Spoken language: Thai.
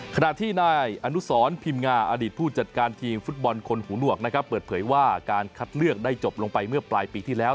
ขณะที่นายอนุสรพิมพ์งาอดีตผู้จัดการทีมฟุตบอลคนหูหนวกนะครับเปิดเผยว่าการคัดเลือกได้จบลงไปเมื่อปลายปีที่แล้ว